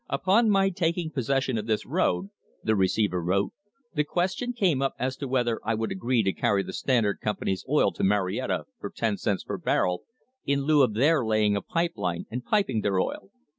"Upon my taking possession of this road," the receiver wrote, "the question came up as to whether I would agree to carry the Standard Company's oil to Marietta for ten cents per barrel, in lieu of their laying a pipe line and piping their oil.